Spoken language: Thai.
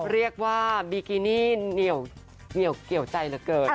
เรียกว่าบิกินี่เหนียวเกี่ยวใจเหลือเกิน